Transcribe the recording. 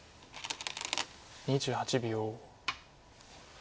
２８秒。